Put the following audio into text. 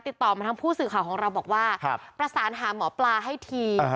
ติดต่อมาทางผู้สื่อข่าวของเราบอกว่าประสานหาหมอปลาให้ที